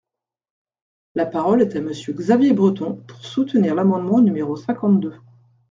La parole est à Monsieur Xavier Breton, pour soutenir l’amendement numéro cinquante-deux.